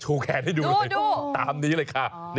แขนให้ดูสิตามนี้เลยค่ะ